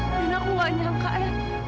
dan aku gak nyangka ya